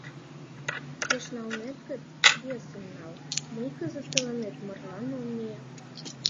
Пеш налнет гын, весым нал: мый кызыт тыланет марлан ом мие.